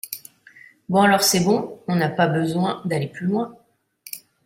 Bon alors c’est bon, on a pas besoin d’aller plus loin.